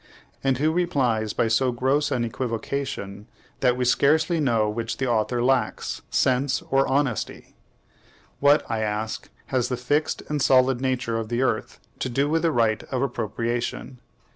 and who replies by so gross an equivocation that we scarcely know which the author lacks, sense or honesty. What, I ask, has the fixed and solid nature of the earth to do with the right of appropriation?